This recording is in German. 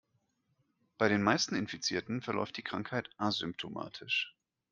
Bei den meisten Infizierten verläuft die Krankheit asymptomatisch.